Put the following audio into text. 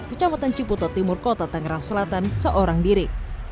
kecamatan ciputo timur kota tangerang selatan seorang diri